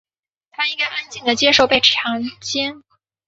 她应该安静地接受被强奸。